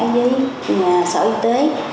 với xã hội y tế